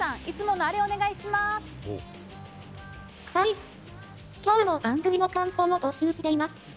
いつものあれ、お願いします。